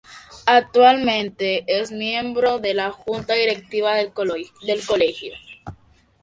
Actualmente es miembro de la Junta Directiva del Colegio.